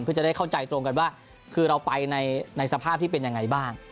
เพื่อจะได้เข้าใจตรงกันว่าคือเราไปในสภาพที่เป็นยังไงบ้าง